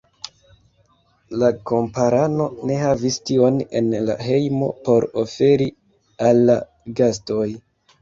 La kamparano ne havis ion en la hejmo por oferi al la gastoj.